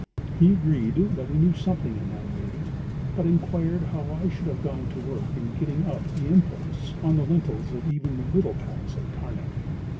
He agreed that we knew something in that way, but inquired how I should have gone to work in getting up the imposts on the lintels of even the little palace at Carnac.